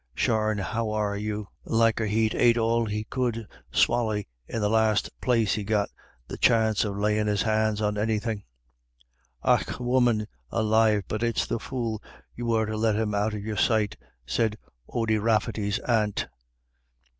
Sharne how are you? Liker he'd ate all he could swally in the last place he got the chance of layin' his hands on anythin'." "Och, woman alive, but it's the fool you were to let him out of your sight," said Ody Rafferty's aunt.